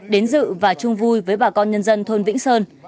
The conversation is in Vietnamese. đến dự và chung vui với bà con nhân dân thôn vĩnh sơn